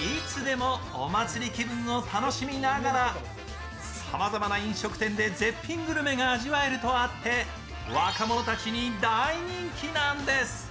いつでもお祭り気分を楽しみながらさまざまな飲食店で絶品グルメが味わえるとあって若者たちに大人気なんです。